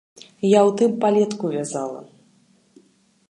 Я ў тым палетку вязала!